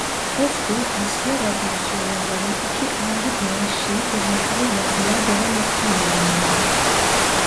Özgür Asya Radyosu yazarın iki ayrı bloğa şiir ve makale yazmaya devam ettiğini bildirdi.